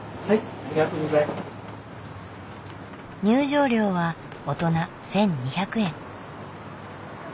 入場料は大人１，２００円。